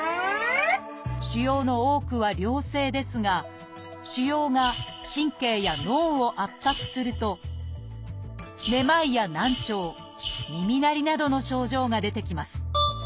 腫瘍の多くは良性ですが腫瘍が神経や脳を圧迫するとめまいや難聴耳鳴りなどの症状が出てきます。